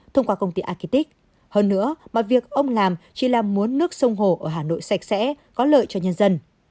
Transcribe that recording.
thông qua công ty agitic hơn nữa mà việc ông làm chỉ là muốn nước sông hồ ở hà nội sạch sẽ có lợi cho nhân dân